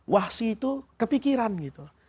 wahsy itu kepikiran gitu